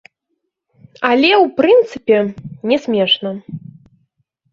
Але, у прынцыпе, не смешна.